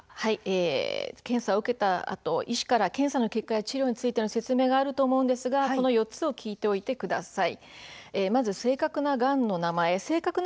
検査を受けたあと医師から検査の結果や治療についての説明があると思うんですが４つのことを聞いておいてください。